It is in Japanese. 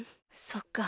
そっか。